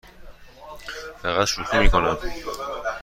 فقط شوخی می کنم.